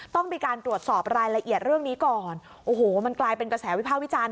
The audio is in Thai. ต้องมีการตรวจสอบรายละเอียดเรื่องนี้ก่อนโอ้โหมันกลายเป็นกระแสวิภาควิจารณ